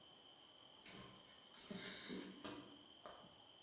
boshye abakumbuye kubyiruka